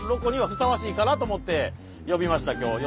ふさわしいかなと思って呼びました今日。